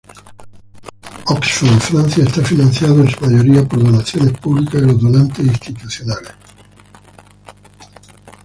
Oxfam Francia está financiado en su mayoría por donaciones públicas y los donantes institucionales.